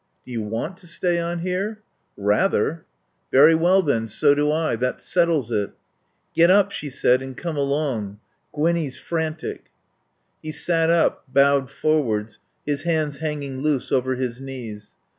"Do you want to stay on here?" "Rather." "Very well then, so do I. That settles it." "Get up," she said, "and come along. Gwinnie's frantic." He sat up, bowed forwards, his hands hanging loose over his knees.